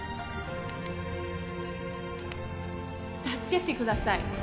助けてください